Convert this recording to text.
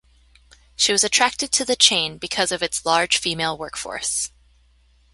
She was attracted to the chain because of its large female workforce.